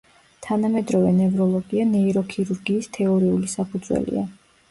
თანამედროვე ნევროლოგია ნეიროქირურგიის თეორიული საფუძველია.